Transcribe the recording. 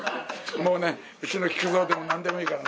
もうね、うちの木久蔵でもなんでもいいからね。